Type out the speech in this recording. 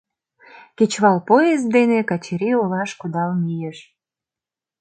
Кечывал поезд дене Качырий олаш кудал мийыш.